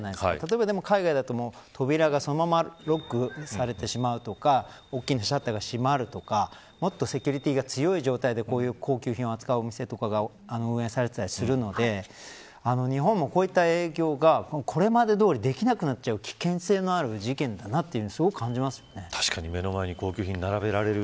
例えば、海外だと扉がそのままロックされてしまうとか大きなシャッターが閉まるとかセキュリティがもっと強い状態でこういう高級品を扱うお店は運営されていたりするんで日本もこういう営業がこれまでどおりできなくなってしまう危険性がある事件だなと目の前に高級品を並べられる。